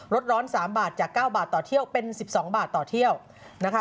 ร้อน๓บาทจาก๙บาทต่อเที่ยวเป็น๑๒บาทต่อเที่ยวนะคะ